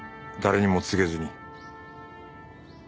誰にも告げずに。